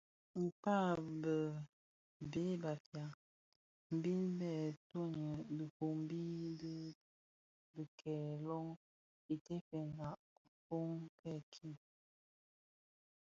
Kpag a bheg Bafia mbiň bè toňi dhifombi di kibèè löň itèfèna kifög kèèkin,